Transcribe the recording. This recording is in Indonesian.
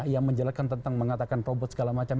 yang menjelaskan tentang mengatakan robot segala macam